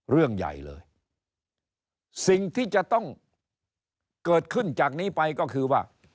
เรื่องใหญ่เลยสิ่งที่จะต้องเกิดขึ้นจากนี้ไปก็คือว่า